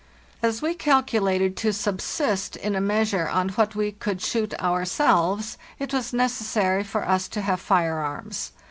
As we calculated to subsist, in a measure, on what we could shoot ourselves, it was necessary for us to have firearms.